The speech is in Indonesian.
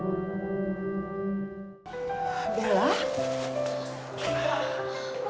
sampai jumpa di video selanjutnya